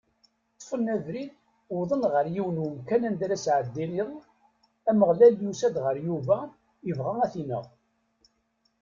Ṭṭfen abrid, wwḍen ɣer yiwen n wemkan anda ara sɛeddin iḍ, Ameɣlal yusa-d ɣer Yuba, ibɣa ad t-ineɣ.